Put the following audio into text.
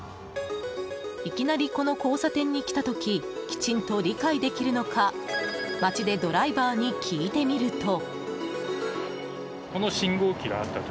いきなりこの交差点に来た時きちんと理解できるのか街でドライバーに聞いてみると。